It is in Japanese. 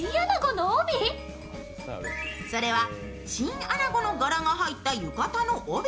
それはチンアナゴの柄が入った浴衣の帯。